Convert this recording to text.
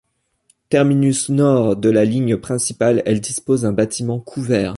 Terminus nord de la ligne principale, elle dispose d'un bâtiment couvert.